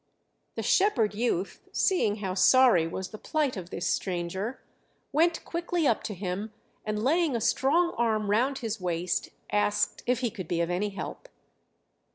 The shepherd youth, seeing how sorry was the plight of this stranger, went quickly up to him, and laying a strong arm round his waist asked if he could be of any help.